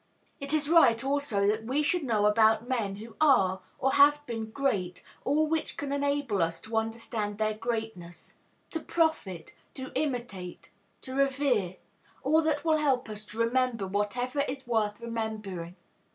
It is right, also, that we should know about men who are or have been great all which can enable us to understand their greatness; to profit, to imitate, to revere; all that will help us to remember whatever is worth remembering.